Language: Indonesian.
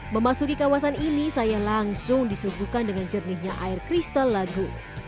memasuki kawasan ini saya langsung disuguhkan dengan jernihnya air kristal lagu